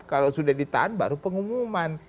kalau sudah ditahan baru pengumuman